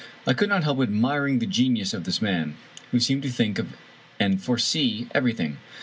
I could not help admiring the genius of this man, who seemed to think of and foresee everything.